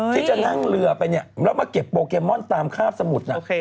ที่จะนั่งเรือไปเนี่ยแล้วมาเก็บโปเกมอนตามคาบสมุด